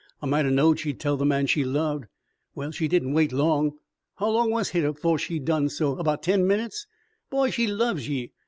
I might 'a' knowed she'd tell the man she loved. Well, she didn't wait long. How long was hit afore she done so about ten minutes? Boy, she loves ye.